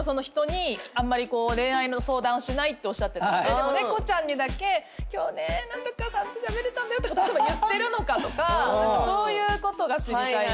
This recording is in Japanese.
でもネコちゃんにだけ「今日ね何とかさんとしゃべれた」とか言ってるのかとかそういうことが知りたいなって思いまして。